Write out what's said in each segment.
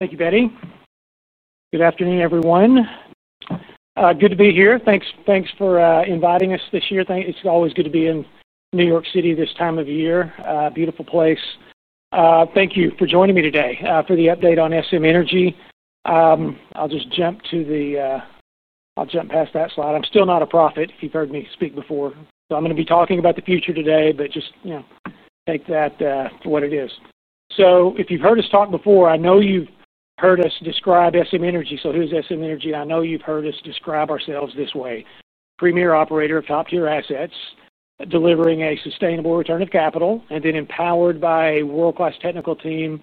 Thank you, Betty. Good afternoon, everyone. Good to be here. Thanks for inviting us this year. Thanks. It's always good to be in New York City this time of year. Beautiful place. Thank you for joining me today for the update on SM Energy Company. I'll just jump past that slide. I'm still not a prophet, if you've heard me speak before. I'm going to be talking about the future today, but just, you know, take that for what it is. If you've heard us talk before, I know you've heard us describe SM Energy Company. So here's SM Energy Company. I know you've heard us describe ourselves this way: premier operator of top-tier assets, delivering a sustainable return of capital, and then empowered by a world-class technical team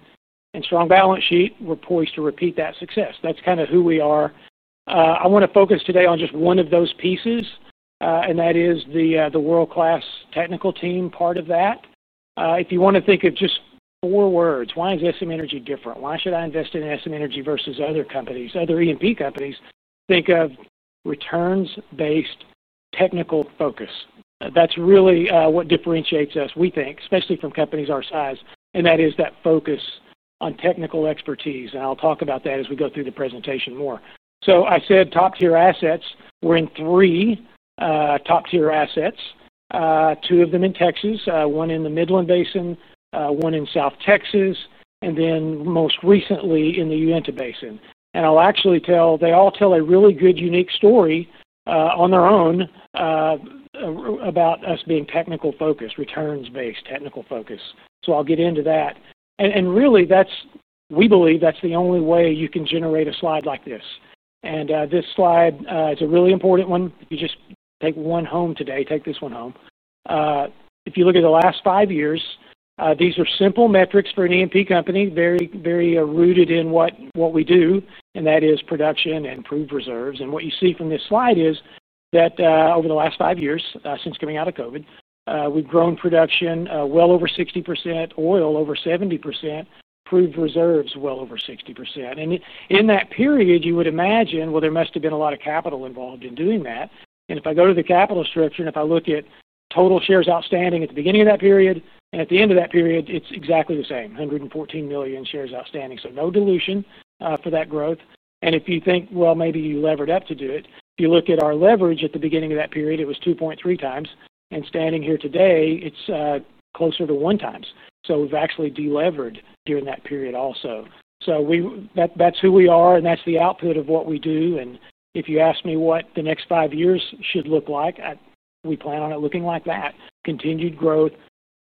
and strong balance sheet. We're poised to repeat that success. That's kind of who we are. I want to focus today on just one of those pieces, and that is the world-class technical team part of that. If you want to think of just four words, why is SM Energy Company different? Why should I invest in SM Energy Company versus other companies, other E&P companies? Think of returns-based technical focus. That's really what differentiates us, we think, especially from companies our size, and that is that focus on technical expertise. I'll talk about that as we go through the presentation more. I said top-tier assets. We're in three top-tier assets, two of them in Texas, one in the Midland Basin, one in South Texas, and then most recently in the Uinta Basin. I'll actually tell, they all tell a really good, unique story on their own about us being technical focused, returns-based technical focused. I'll get into that. We believe that's the only way you can generate a slide like this. This slide, it's a really important one. If you just take one home today, take this one home. If you look at the last five years, these are simple metrics for an E&P company, very, very rooted in what we do, and that is production and proved reserves. What you see from this slide is that over the last five years, since coming out of COVID, we've grown production well over 60%, oil over 70%, proved reserves well over 60%. In that period, you would imagine there must have been a lot of capital involved in doing that. If I go to the capital structure and if I look at total shares outstanding at the beginning of that period and at the end of that period, it's exactly the same, 114 million shares outstanding. No dilution for that growth. If you think, well, maybe you levered up to do it, if you look at our leverage at the beginning of that period, it was 2.3x. Standing here today, it's closer to one time. We've actually delevered during that period also. That's who we are, and that's the output of what we do. If you ask me what the next five years should look like, we plan on it looking like that: continued growth,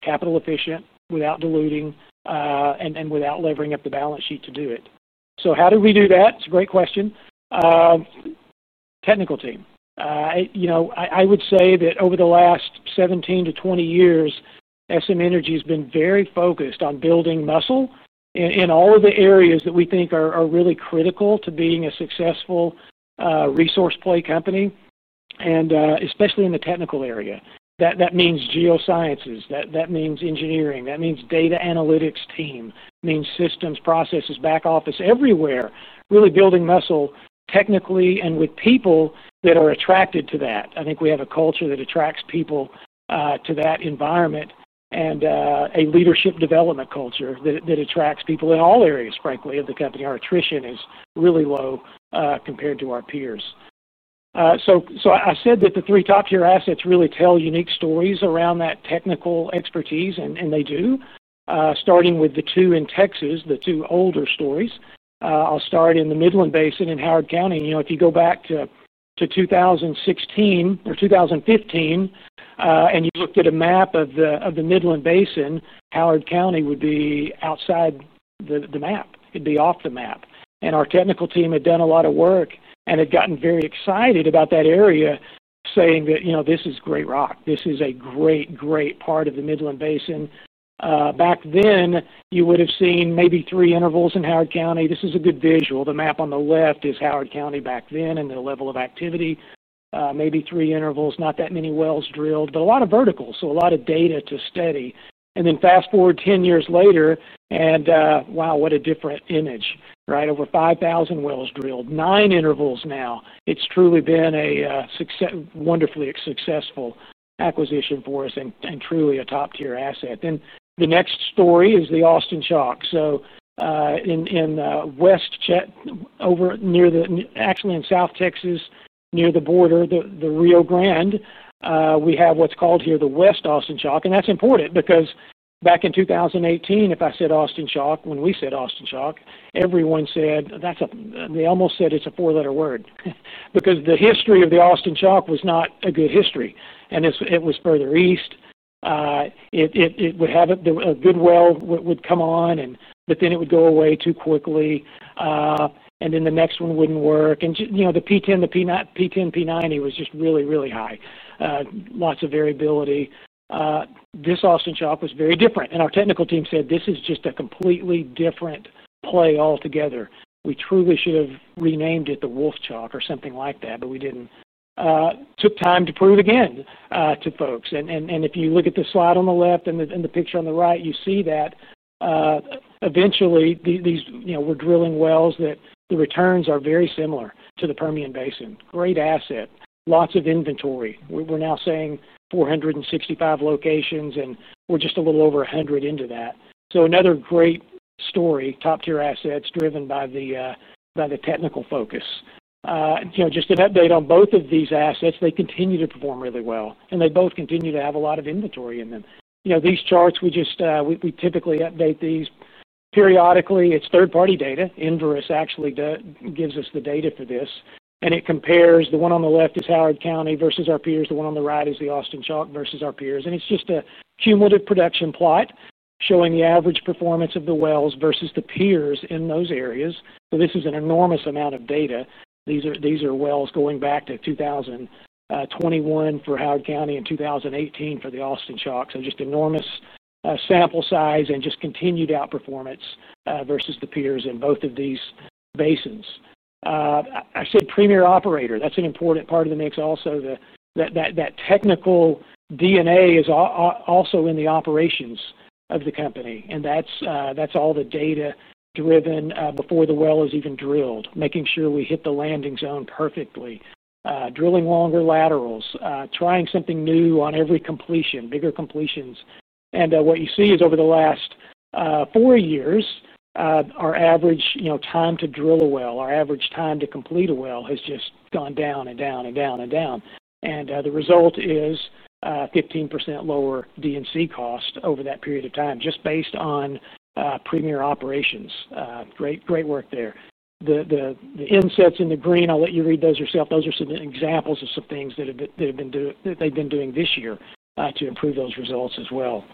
capital efficient, without diluting, and without levering up the balance sheet to do it. How do we do that? It's a great question. Technical team. I would say that over the last 17 years- 20 years, SM Energy Company has been very focused on building muscle in all of the areas that we think are really critical to being a successful resource play company, especially in the technical area. That means geosciences. That means engineering. That means data analytics team. Means systems, processes, back office, everywhere. Really building muscle technically and with people that are attracted to that. I think we have a culture that attracts people to that environment and a leadership development culture that attracts people in all areas, frankly, of the company. Our attrition is really low compared to our peers. I said that the three top-tier assets really tell unique stories around that technical expertise, and they do. Starting with the two in Texas, the two older stories. I'll start in the Midland Basin in Howard County. If you go back to 2016 or 2015, and you looked at a map of the Midland Basin, Howard County would be outside the map. It'd be off the map. Our technical team had done a lot of work and had gotten very excited about that area, saying that this is great rock. This is a great, great part of the Midland Basin. Back then, you would have seen maybe three intervals in Howard County. This is a good visual. The map on the left is Howard County back then and the level of activity. Maybe three intervals, not that many wells drilled, but a lot of verticals. A lot of data to study. Fast forward 10 years later, and, wow, what a different image, right? Over 5,000 wells drilled, nine intervals now. It's truly been a success, wonderfully successful acquisition for us and truly a top-tier asset. The next story is the Austin Chalk. In West Chat, over near the, actually in South Texas, near the border, the Rio Grande, we have what's called here the West Austin Chalk. That's important because back in 2018, if I said Austin Chalk, when we said Austin Chalk, everyone said that's a, they almost said it's a four-letter word because the history of the Austin Chalk was not a good history. It was further east. It would have a good well come on, but then it would go away too quickly, and then the next one wouldn't work. You know, the P10, the P90 was just really, really high, lots of variability. This Austin Chalk was very different. Our technical team said, "This is just a completely different play altogether. We truly should have renamed it the Wolf Chalk or something like that, but we didn't." It took time to prove again to folks. If you look at the slide on the left and the picture on the right, you see that eventually, we're drilling wells that the returns are very similar to the Permian Basin. Great asset. Lots of inventory. We're now saying 465 locations, and we're just a little over 100 into that. Another great story, top-tier assets driven by the technical focus. Just an update on both of these assets. They continue to perform really well, and they both continue to have a lot of inventory in them. These charts, we just, we typically update these periodically. It's third-party data. Enverus actually gives us the data for this, and it compares the one on the left is Howard County versus our peers. The one on the right is the Austin Chalk versus our peers. It's just a cumulative production plot showing the average performance of the wells versus the peers in those areas. This is an enormous amount of data. These are wells going back to 2021 for Howard County and 2018 for the Austin Chalk. Just enormous sample size and just continued outperformance versus the peers in both of these basins. I said premier operator. That's an important part of the mix also. That technical DNA is also in the operations of the company. That's all the data driven, before the well is even drilled, making sure we hit the landing zone perfectly, drilling longer laterals, trying something new on every completion, bigger completions. What you see is over the last four years, our average time to drill a well, our average time to complete a well has just gone down and down and down and down. The result is 15% lower DNC cost over that period of time, just based on premier operations. Great, great work there. The insets in the green, I'll let you read those yourself. Those are some examples of some things that have been that they've been doing this year to improve those results as well.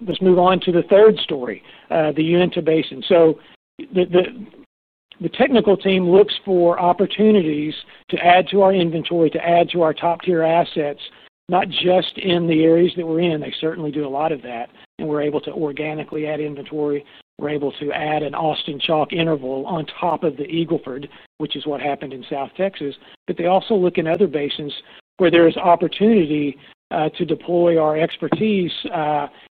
Let's move on to the third story, the Uinta Basin. The technical team looks for opportunities to add to our inventory, to add to our top-tier assets, not just in the areas that we're in. They certainly do a lot of that, and we're able to organically add inventory. We're able to add an Austin Chalk interval on top of the Eagleford, which is what happened in South Texas. They also look in other basins where there is opportunity to deploy our expertise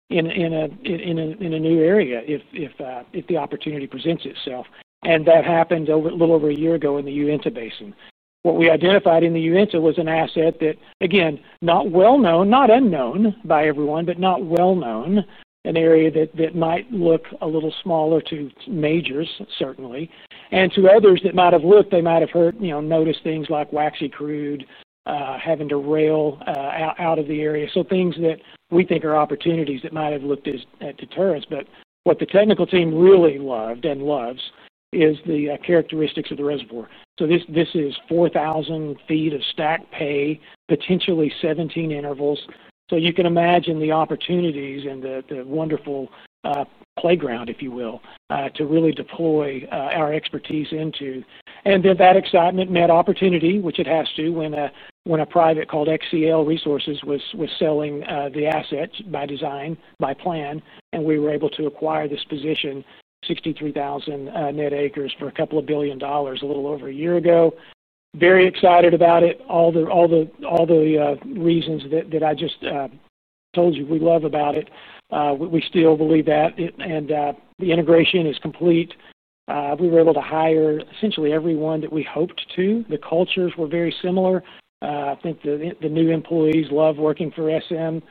in a new area if the opportunity presents itself. That happened a little over a year ago in the Uinta Basin. What we identified in the Uinta was an asset that, again, not well known, not unknown by everyone, but not well known, an area that might look a little smaller to majors, certainly. To others that might have looked, they might have heard, noticed things like waxy crude, having to rail out of the area. Things that we think are opportunities that might have looked as deterrents. What the technical team really loved and loves is the characteristics of the reservoir. This is 4,000 ft of stacked pay, potentially 17 intervals. You can imagine the opportunities and the wonderful playground, if you will, to really deploy our expertise into. That excitement met opportunity, which it has to, when a private called XCL Resources was selling the asset by design, by plan, and we were able to acquire this position, 63,000 net acres for a couple of billion dollars a little over a year ago. Very excited about it. All the reasons that I just told you we love about it, we still believe that. The integration is complete. We were able to hire essentially everyone that we hoped to. The cultures were very similar. I think the new employees love working for SM Energy.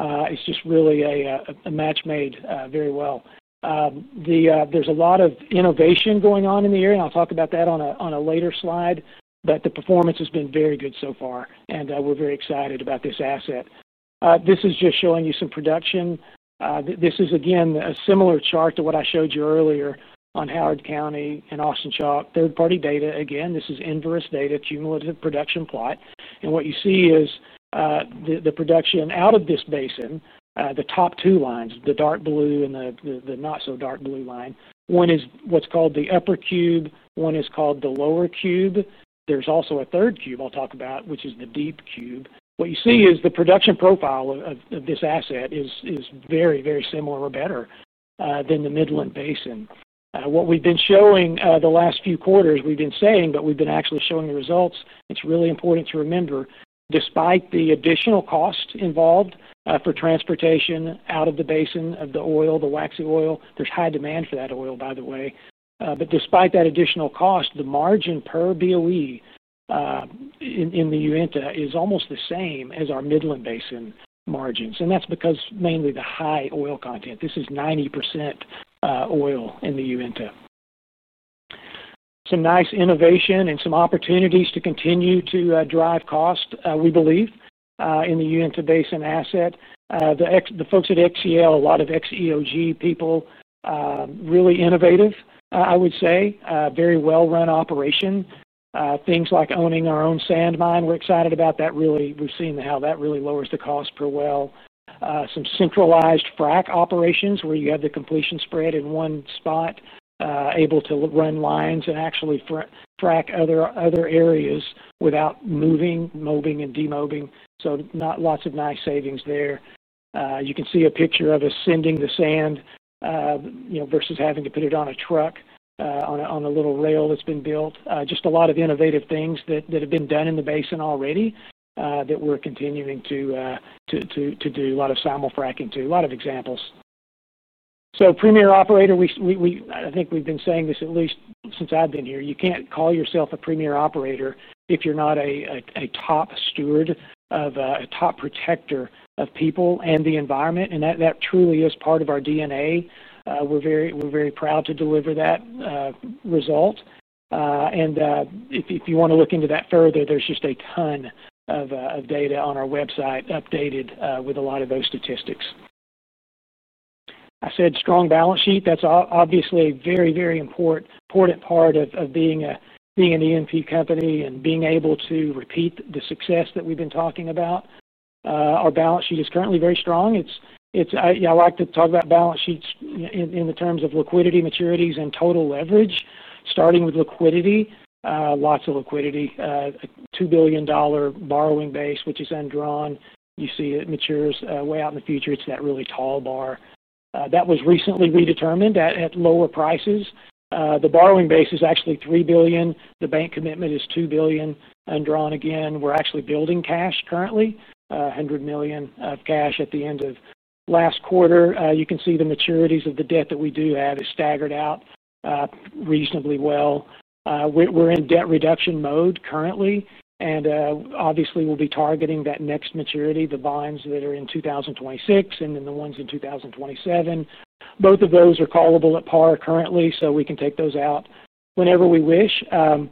It's just really a match made very well. There's a lot of innovation going on in the area, and I'll talk about that on a later slide, but the performance has been very good so far. We're very excited about this asset. This is just showing you some production. This is, again, a similar chart to what I showed you earlier on Howard County and Austin Chalk. Third-party data. Again, this is Inverus data, cumulative production plot. What you see is the production out of this basin, the top two lines, the dark blue and the not-so-dark blue line. One is what's called the upper cube. One is called the lower cube. There's also a third cube I'll talk about, which is the deep cube. What you see is the production profile of this asset is very, very similar or better than the Midland Basin. What we've been showing the last few quarters, we've been saying, but we've been actually showing the results. It's really important to remember, despite the additional cost involved for transportation out of the basin of the oil, the waxy oil, there's high demand for that oil, by the way. Despite that additional cost, the margin per BOE in the Uinta is almost the same as our Midland Basin margins. That's because mainly the high oil content. This is 90% oil in the Uinta. Some nice innovation and some opportunities to continue to drive cost, we believe, in the Uinta Basin asset. The folks at XCL, a lot of XEOG people, really innovative, I would say, very well-run operation. Things like owning our own sand mine, we're excited about that. Really, we've seen how that really lowers the cost per well. Some centralized frac operations where you have the completion spread in one spot, able to run lines and actually frac other areas without moving, mowing, and demowing. Not lots of nice savings there. You can see a picture of us sending the sand, you know, versus having to put it on a truck, on a little rail that's been built. Just a lot of innovative things that have been done in the basin already, that we're continuing to do a lot of simul fracking too. A lot of examples. Premier operator, I think we've been saying this at least since I've been here. You can't call yourself a premier operator if you're not a top steward, a top protector of people and the environment. That truly is part of our DNA. We're very proud to deliver that result. If you want to look into that further, there's just a ton of data on our website updated with a lot of those statistics. I said strong balance sheet. That's obviously a very, very important part of being an E&P company and being able to repeat the success that we've been talking about. Our balance sheet is currently very strong. I like to talk about balance sheets in terms of liquidity, maturities, and total leverage. Starting with liquidity, lots of liquidity. A $2 billion borrowing base, which is undrawn. You see it matures way out in the future. It's that really tall bar. That was recently redetermined at lower prices. The borrowing base is actually $3 billion. The bank commitment is $2 billion undrawn. Again, we're actually building cash currently, $100 million of cash at the end of last quarter. You can see the maturities of the debt that we do have is staggered out reasonably well. We're in debt reduction mode currently. Obviously, we'll be targeting that next maturity, the bonds that are in 2026 and then the ones in 2027. Both of those are callable at par currently, so we can take those out whenever we wish. Kind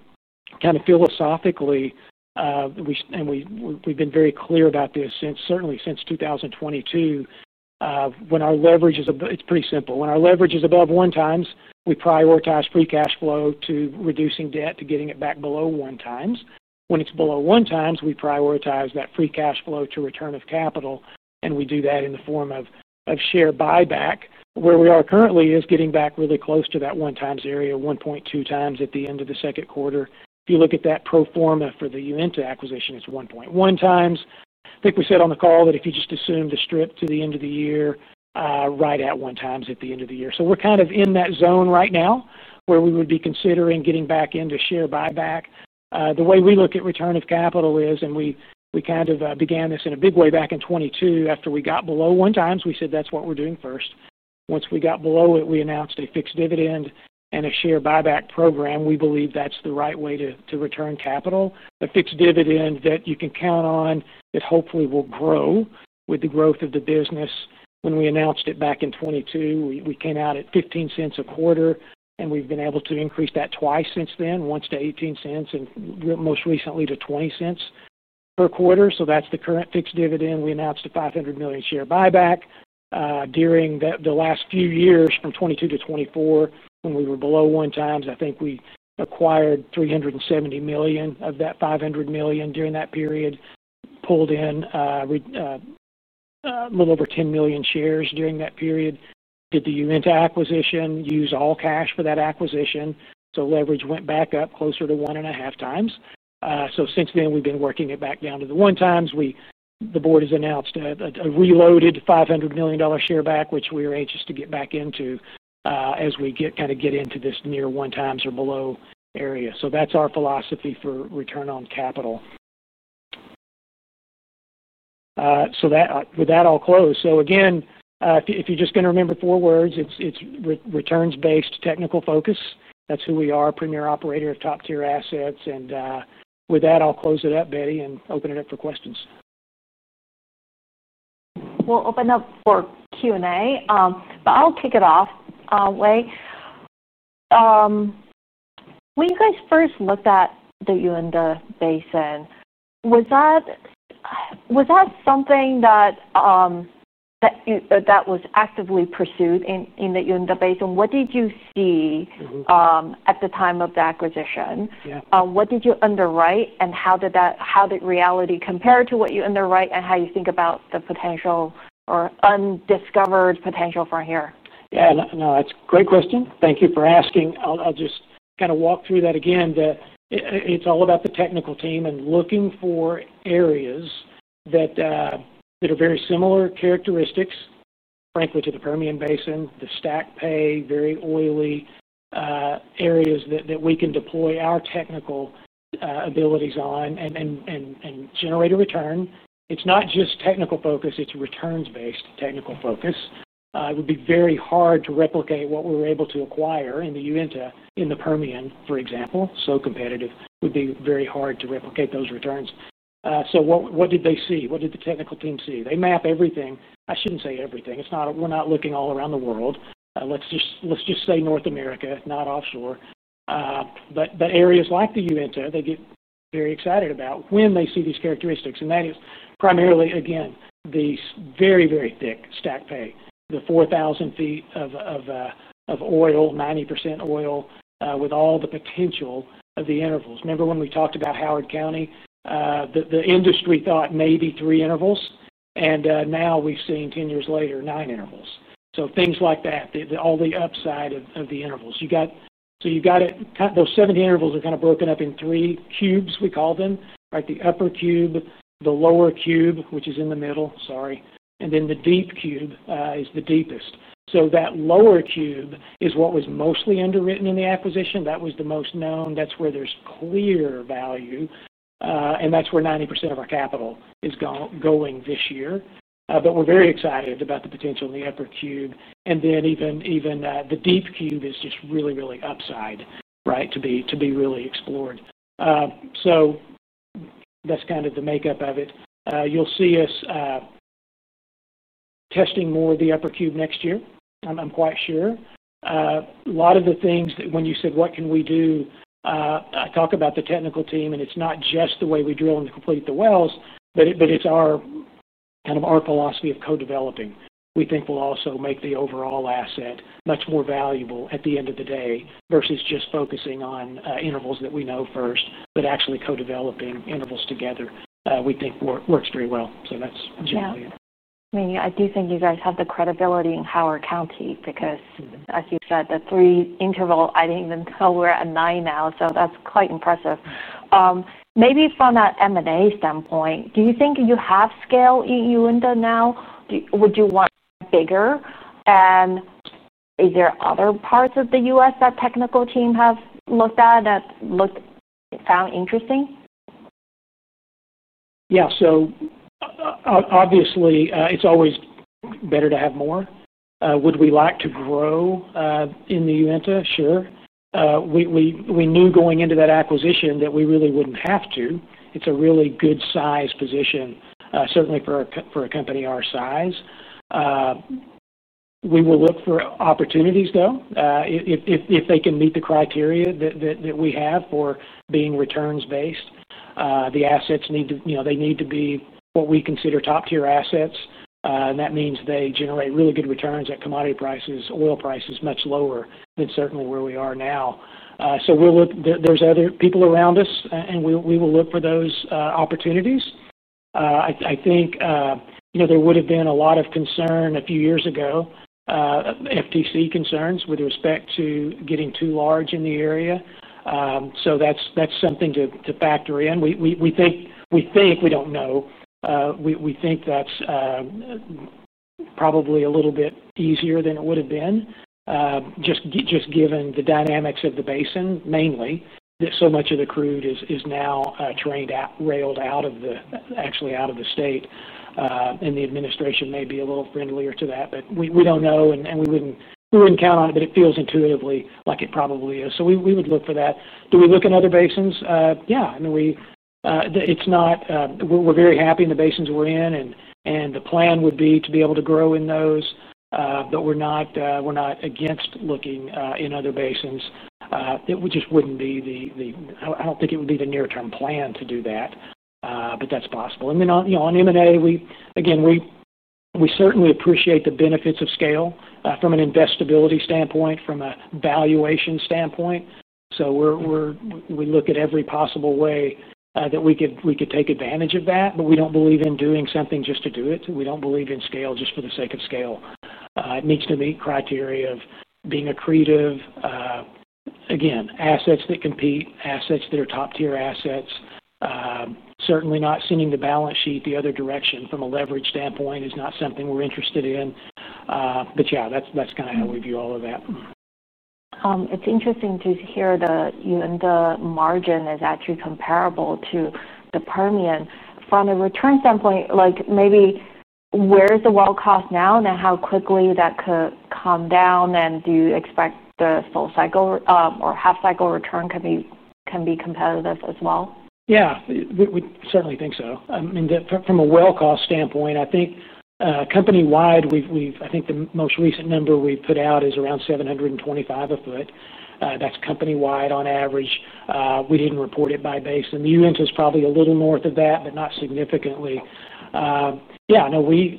of philosophically, we've been very clear about this certainly since 2022. When our leverage is above 1x, we prioritize free cash flow to reducing debt to getting it back below 1x. When it's below 1x, we prioritize that free cash flow to return of capital. We do that in the form of share buyback. Where we are currently is getting back really close to that one times area, 1.2 x at the end of the second quarter. If you look at that pro forma for the Uinta acquisition, it's 1.1 x. I think we said on the call that if you just assume the strip to the end of the year, right at 1x at the end of the year. We're kind of in that zone right now where we would be considering getting back into share buyback. The way we look at return of capital is, and we kind of began this in a big way back in 2022. After we got below 1x, we said that's what we're doing first. Once we got below it, we announced a fixed dividend and a share buyback program. We believe that's the right way to return capital. A fixed dividend that you can count on that hopefully will grow with the growth of the business. When we announced it back in 2022, we came out at $0.15 a quarter, and we've been able to increase that twice since then, once to $0.18 and most recently to $0.20 per quarter. That's the current fixed dividend. We announced a $500 million share buyback. During the last few years, from 2022 to 2024, when we were below 1x, I think we acquired $370 million of that $500 million during that period. Pulled in a little over 10 million shares during that period. Did the Uinta acquisition, used all cash for that acquisition. Leverage went back up closer to 1.5x. Since then, we've been working it back down to the 1x. The board has announced a reloaded $500 million share buyback, which we are anxious to get back into as we get into this near 1x or below area. That's our philosophy for return on capital. With that, I'll close. If you're just going to remember four words, it's returns-based technical focus. That's who we are, premier operator of top-tier assets. With that, I'll close it up, Betty, and open it up for questions. We'll open up for Q&A, but I'll kick it off, Wade. When you guys first looked at the Uinta Basin, was that something that you actively pursued in the Uinta Basin? What did you see at the time of the acquisition? What did you underwrite, and how did reality compare to what you underwrite, and how do you think about the potential or undiscovered potential from here? Yeah. No, that's a great question. Thank you for asking. I'll just kind of walk through that again. It's all about the technical team and looking for areas that are very similar characteristics, frankly, to the Permian Basin, the stack pay, very oily, areas that we can deploy our technical abilities on and generate a return. It's not just technical focus. It's a returns-based technical focus. It would be very hard to replicate what we were able to acquire in the Uinta in the Permian, for example. So competitive, it would be very hard to replicate those returns. What did they see? What did the technical team see? They map everything. I shouldn't say everything. It's not a, we're not looking all around the world. Let's just say North America, not offshore. Areas like the Uinta, they get very excited about when they see these characteristics. That is primarily, again, the very, very thick stack pay, the 4,000 ft of oil, 90% oil, with all the potential of the intervals. Remember when we talked about Howard County, the industry thought maybe three intervals, and now we've seen 10 years later, nine intervals. Things like that, all the upside of the intervals. You got, so you got it, kind of those 17 intervals are kind of broken up in three cubes, we call them, right? The upper cube, the lower cube, which is in the middle, sorry. The deep cube is the deepest. That lower cube is what was mostly underwritten in the acquisition. That was the most known. That's where there's clear value, and that's where 90% of our capital is going this year. We're very excited about the potential in the upper cube. Even the deep cube is just really, really upside, right, to be really explored. That's kind of the makeup of it. You'll see us testing more of the upper cube next year. I'm quite sure. A lot of the things that when you said, "What can we do?" I talk about the technical team, and it's not just the way we drill and complete the wells, but it's our kind of our philosophy of co-developing. We think we'll also make the overall asset much more valuable at the end of the day versus just focusing on intervals that we know first, but actually co-developing intervals together. We think works very well. That's generally it. Yeah. I mean, I do think you guys have the credibility in Howard County because, as you said, the three intervals, I didn't even know we're at nine now. That's quite impressive. Maybe from an M&A standpoint, do you think you have scale in Uinta now? Would you want bigger? Is there other parts of the U.S. that the technical team have looked at that found interesting? Yeah. Obviously, it's always better to have more. Would we like to grow in the Uinta? Sure. We knew going into that acquisition that we really wouldn't have to. It's a really good size position, certainly for a company our size. We will look for opportunities, though, if they can meet the criteria that we have for being returns-based. The assets need to, you know, they need to be what we consider top-tier assets, and that means they generate really good returns at commodity prices, oil prices much lower than certainly where we are now. We'll look, there's other people around us, and we will look for those opportunities. I think, you know, there would have been a lot of concern a few years ago, FTC concerns with respect to getting too large in the area. That's something to factor in. We think we don't know. We think that's probably a little bit easier than it would have been, just given the dynamics of the basin, mainly that so much of the crude is now drained out, railed out of the, actually out of the state, and the administration may be a little friendlier to that, but we don't know. We wouldn't count on it, but it feels intuitively like it probably is. We would look for that. Do we look in other basins? Yeah. I mean, we're very happy in the basins we're in, and the plan would be to be able to grow in those. We're not against looking in other basins. It just wouldn't be the, I don't think it would be the near-term plan to do that, but that's possible. On M&A, we certainly appreciate the benefits of scale from an investability standpoint, from a valuation standpoint. We look at every possible way that we could take advantage of that, but we don't believe in doing something just to do it. We don't believe in scale just for the sake of scale. It needs to meet criteria of being accretive, again, assets that compete, assets that are top-tier assets. Certainly not seeing the balance sheet the other direction from a leverage standpoint is not something we're interested in. That's kind of how we view all of that. It's interesting to hear the Uinta margin is actually comparable to the Permian. From a return standpoint, like maybe where is the well cost now, and how quickly that could come down? Do you expect the full cycle or half cycle return could be can be competitive as well? Yeah. We certainly think so. I mean, from a well cost standpoint, I think, company-wide, we've, I think the most recent number we put out is around $725 a foot. That's company-wide on average. We didn't report it by basin, and the Uinta is probably a little north of that, but not significantly. Yeah, no, we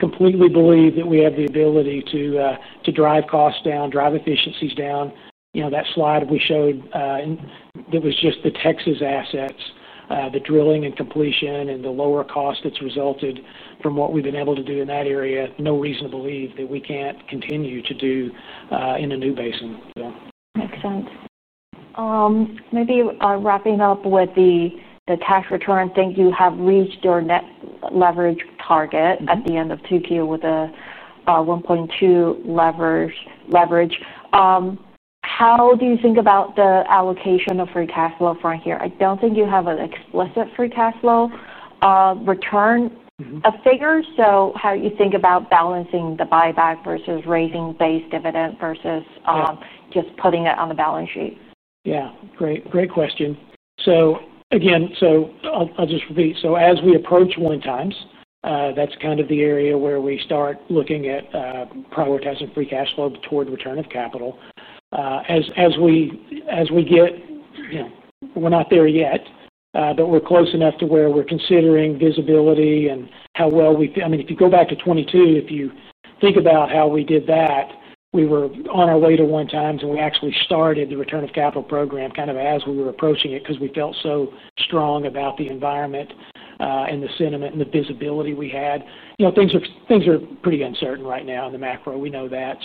completely believe that we have the ability to drive costs down, drive efficiencies down. You know, that slide we showed, and it was just the Texas assets, the drilling and completion and the lower cost that's resulted from what we've been able to do in that area. No reason to believe that we can't continue to do, in a new basin. Yeah. Makes sense. Maybe, wrapping up with the cash return, I think you have reached your net leverage target at the end of 2Q with a $1.2 leverage. How do you think about the allocation of free cash flow from here? I don't think you have an explicit free cash flow return of figures. How do you think about balancing the buyback versus raising base dividend versus just putting it on the balance sheet? Great question. I'll just repeat. As we approach one times, that's kind of the area where we start looking at prioritizing free cash flow toward return of capital. As we get, we're not there yet, but we're close enough to where we're considering visibility and how well we, I mean, if you go back to 2022, if you think about how we did that, we were on our way to one times, and we actually started the return of capital program as we were approaching it because we felt so strong about the environment, and the sentiment and the visibility we had. Things are pretty uncertain right now in the macro. We know that.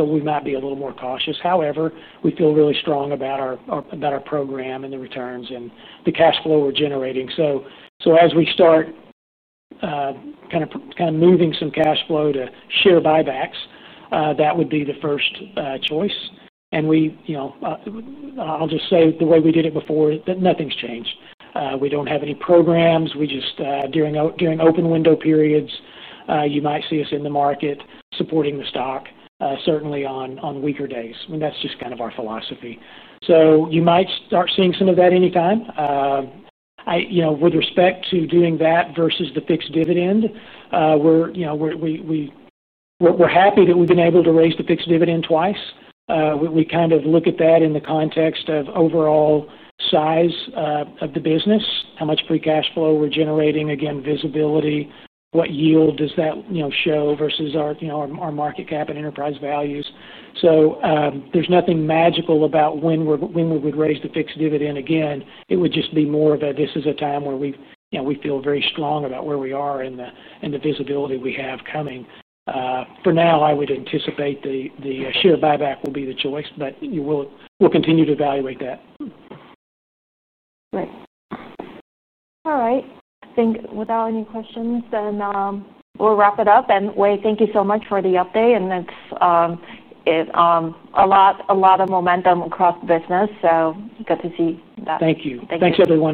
We might be a little more cautious. However, we feel really strong about our program and the returns and the cash flow we're generating. As we start moving some cash flow to share buybacks, that would be the first choice. The way we did it before, nothing's changed. We don't have any programs. During open window periods, you might see us in the market supporting the stock, certainly on weaker days. That's just kind of our philosophy. You might start seeing some of that anytime. With respect to doing that versus the fixed dividend, we're happy that we've been able to raise the fixed dividend twice. We kind of look at that in the context of overall size of the business, how much free cash flow we're generating. Again, visibility, what yield does that show versus our market cap and enterprise values. There's nothing magical about when we would raise the fixed dividend. It would just be more of a, this is a time where we feel very strong about where we are in the visibility we have coming. For now, I would anticipate the share buyback will be the choice, but we'll continue to evaluate that. Great. All right. I think without any questions, we'll wrap it up. Wade, thank you so much for the update. It's a lot of momentum across the business. You get to see that. Thank you. Thanks, everyone.